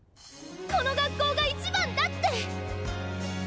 この学校が一番だって！